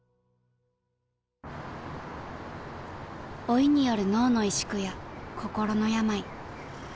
［老いによる脳の萎縮や心の病］